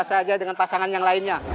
masa aja dengan pasangan yang lainnya